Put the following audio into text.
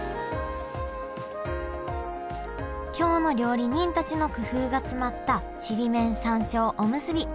京の料理人たちの工夫が詰まったちりめん山椒おむすび。